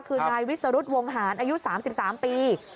คือนายวิสรุธวงหารอายุ๓๓ปี